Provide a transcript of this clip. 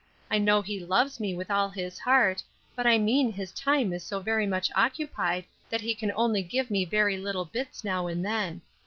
I know he loves me with all his heart, but I mean his time is so very much occupied that he can only give me very little bits now and then.